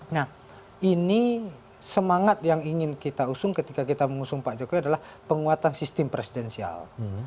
nah ini semangat yang ingin kita usung ketika kita mengusung pak jokowi adalah penguatan sistem presidensial